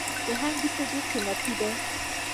د هنګ بوټی ډیر قیمتي دی